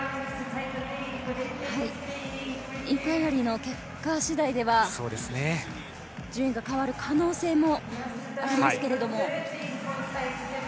インクワイアリーの結果次第では順位が変わる可能性もありますけれども。